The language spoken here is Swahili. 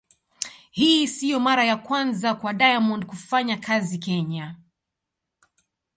Hii sio mara ya kwanza kwa Diamond kufanya kazi Kenya.